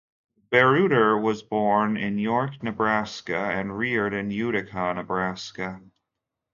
Bereuter was born in York, Nebraska and reared in Utica, Nebraska.